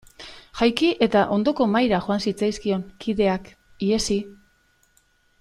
Jaiki eta ondoko mahaira joan zitzaizkion kideak ihesi.